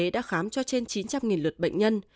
y tế đã khám cho trên chín trăm linh lượt bệnh nhân